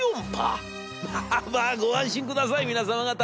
『まあまあご安心下さい皆様方。